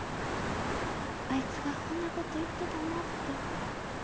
あいつがほんなこと言ってたなって